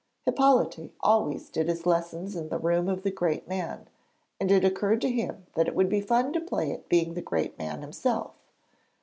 Hippolyte always did his lessons in the room of the great man, and it occurred to him that it would be fun to play at being the great man himself.